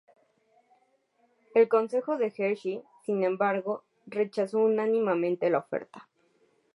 El consejo de Hershey, sin embargo, rechazó unánimemente la oferta.